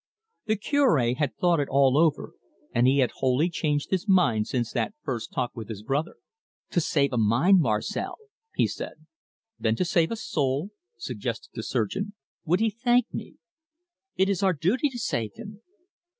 The Cure had thought it all over, and he had wholly changed his mind since that first talk with his brother. "To save a mind, Marcel!" he said. "Then to save a soul?" suggested the surgeon. "Would he thank me?" "It is our duty to save him."